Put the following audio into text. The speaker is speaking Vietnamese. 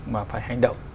mà phải hành động